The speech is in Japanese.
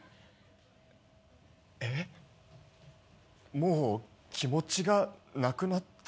もう気持ちがなくなった？